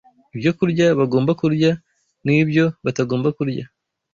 ibyokurya bagomba kurya n’ibyo batagomba kurya.